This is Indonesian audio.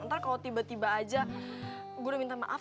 ntar kalau tiba tiba aja gue udah minta maaf